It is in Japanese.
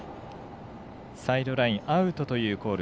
サイドラインアウトというコール。